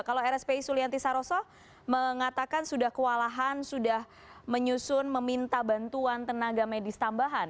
kalau rspi sulianti saroso mengatakan sudah kewalahan sudah menyusun meminta bantuan tenaga medis tambahan